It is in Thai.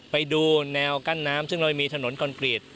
ไปดูแนวกั้นน้ำซึ่งเรามีถนนคอนกรีต